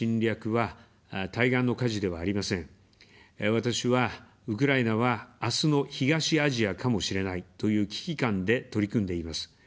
私は「ウクライナは、あすの東アジアかもしれない」という危機感で取り組んでいます。